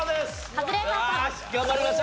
カズレーザーさん。